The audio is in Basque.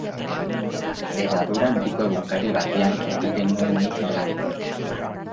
Hedadura handiko egunkari batean egiten nuen nik lan.